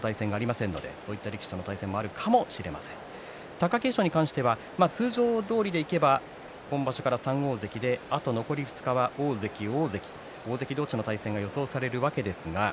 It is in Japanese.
貴景勝は通常どおりでいけば今場所から３大関であと残り２日は大関、大関大関同士の対戦が予想されるわけです。